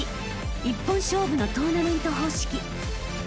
［１本勝負のトーナメント方式］